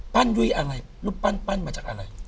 ปั้นยุยอะไรลูกปั้นปั้นมาจากอะไร